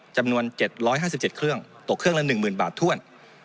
จำนวน๗๕๗เครื่องตกเครื่องละ๑๐๐๐บาทถ้วน